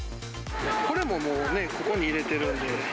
これももうね、ここに入れてるんで。